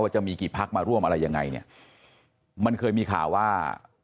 จะมีกี่พักมาร่วมอะไรยังไงเนี่ยมันเคยมีข่าวว่า